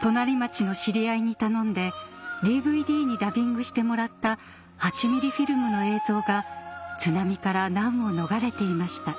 隣町の知り合いに頼んでＤＶＤにダビングしてもらった８ミリフィルムの映像が津波から難を逃れていました